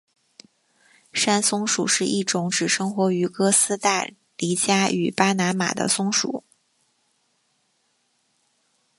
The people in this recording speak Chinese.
山松鼠是一种只生活于哥斯大黎加与巴拿马的松鼠。